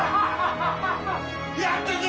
やったぞ！